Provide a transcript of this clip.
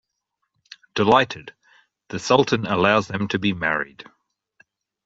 Delighted, The Sultan allows them to be married.